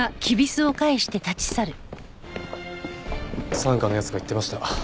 三課の奴が言ってました。